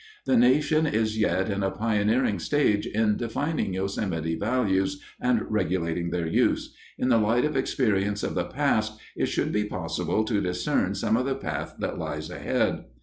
The nation is yet in a pioneering stage in defining Yosemite values and regulating their use. In the light of experience of the past, it should be possible to discern some of the path that lies ahead.